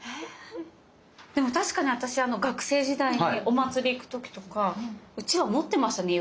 でも確かに私学生時代にお祭り行く時とかうちわ持ってましたね。